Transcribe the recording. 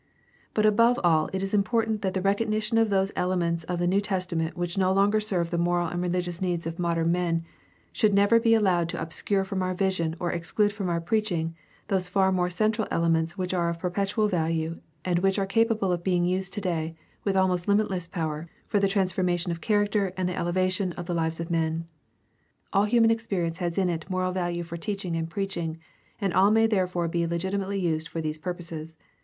But above all it is important that the recognition of those elements of the New Testament which no longer serve the moral and rehgious needs of modern men should never be allowed to obscure from our vision or exclude from our preach ing those far more central elements which are of perpetual value and which are capable of being used today with almost limitless power for the transformation of character and the elevation of the lives of men. All human experience has in it moral value for teaching and preaching, and all may there fore be legitimately used for these purposes.